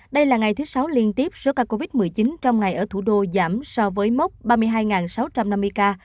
đây là ngày thứ sáu liên tiếp số ca covid một mươi chín trong ngày ở thủ đô giảm so với mốc ba mươi hai sáu trăm năm mươi ca